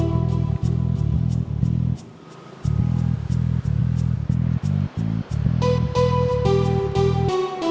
gak usah bawa disini